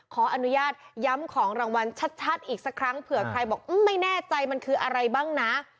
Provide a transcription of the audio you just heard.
ขออนุญาตย้ำของรางวัลชัดอีกสักครั้งเผื่อใครบอกไม่แน่ใจมันคืออะไรบ้างนะ